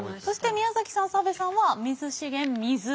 そして宮崎さん澤部さんは「水資源」「水」。